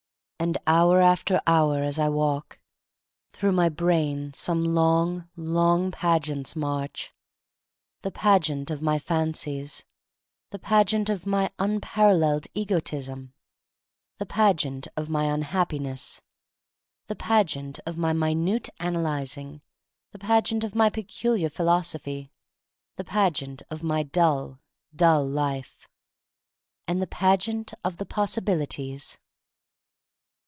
And hour after hour, as I walk, through my brain some long, long pageants march:, the pageant' of my fancies, the pageant of my unparalleled egotism, the pageant of my unhappi ness, the pageant of my minute analyz i6 THE STORY OF MARY MAC LANE 1 7 ing, the pageant of my peculiar philosophy, the pageant of my dull, dull life, — and the pageant of the Possi bilities.